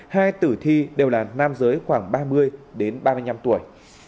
hai tử thi đều là nam giới khoảng ba mươi đến ba mươi năm tuổi